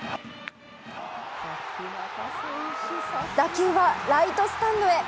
打球はライトスタンドへ。